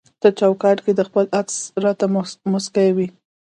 ته چوکاټ کي د خپل عکس راته مسکی وي